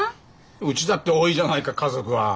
うちだって多いじゃないか家族は。